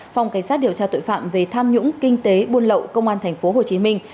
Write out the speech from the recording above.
phòng cảnh sát điều tra tội phạm về tham nhũng kinh tế buôn lậu công an thành phố hồ chí minh